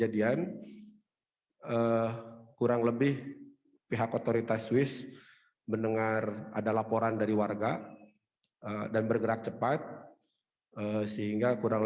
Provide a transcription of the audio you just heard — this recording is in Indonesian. dan kami berkomunikasi dengan keluarga dan kedutaan